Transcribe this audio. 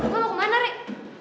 gue mau kemana rey